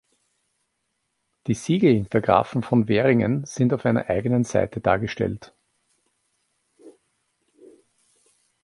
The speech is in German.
Die Siegel der Grafen von Veringen sind auf einer eigenen Seite dargestellt.